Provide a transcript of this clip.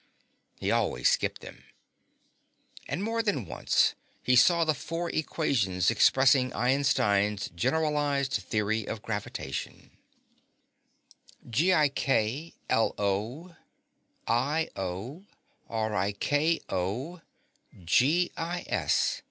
He always skipped them. And more than once he saw the four equations expressing Einstein's generalized theory of gravitation: [Illustration: Einstein's equation.